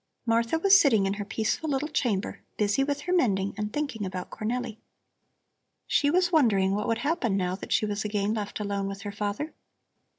Martha was sitting in her peaceful little chamber, busy with her mending and thinking about Cornelli. She was wondering what would happen now that she was again left alone with her father.